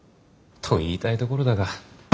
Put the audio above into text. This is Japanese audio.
と言いたいところだが。